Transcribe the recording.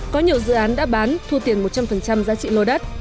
có nhiều dự án đã bán thu tiền một trăm linh giá trị lô đất